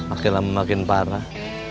akhirnya memakin parah